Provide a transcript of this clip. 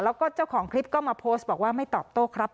แล้วก็เจ้าของคลิปก็มาโพสต์บอกว่าไม่ตอบโต้ครับ